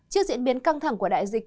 trước diễn biến căng thẳng của đại dịch